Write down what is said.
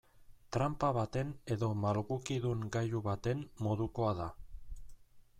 Tranpa baten edo malgukidun gailu baten modukoa da.